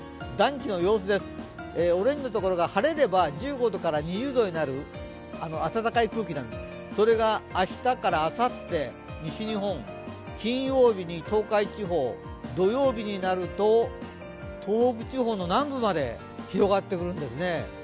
暖気の様子です、オレンジのところが晴れれば１５度から２０度になる暖かい空気なんです、それが明日からあさって、西日本、金曜日に東海地方、土曜日になると東北地方の南部まで広がってくるんですね。